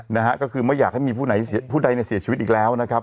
นะฮะก็คือไม่อยากให้มีผู้ใดในเสียชีวิตอีกแล้วนะครับ